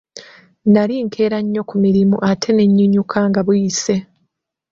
Nali nkeera nnyo ku mulimu ate ne nnyinyuka nga buyise.